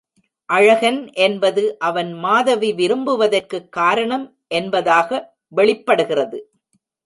அழகன் என்பது அவன் மாதவி விரும்புவதற்குக் காரணம் என்பதாக வெளிப்படுகிறது.